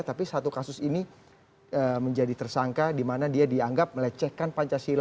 tapi satu kasus ini menjadi tersangka dimana dia dianggap melecehkan